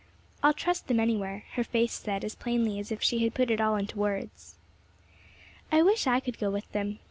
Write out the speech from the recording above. "I'll trust them anywhere," her face said as plainly as if she had put it all into words. "I wish I could go with them."